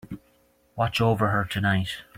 Watch over her tonight.